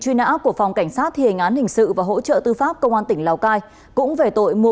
truy nã của phòng cảnh sát thiền án hình sự và hỗ trợ tư pháp công an tỉnh lào cai cũng về tội mua